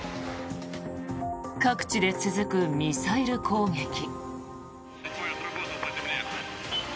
各地で続くミサイル攻撃。